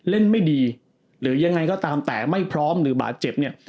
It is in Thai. ไม่ดีหรือยังไงก็ตามแต่ไม่พร้อมหรือบาดเจ็บเนี่ย